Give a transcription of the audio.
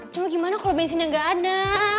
cuma gimana kalo bensinnya gak ada